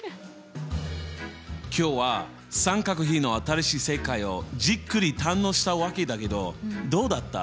今日は三角比の新しい世界をじっくり堪能したわけだけどどうだった？